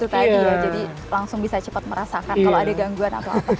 jadi langsung bisa cepet merasakan kalo ada gangguan apa apa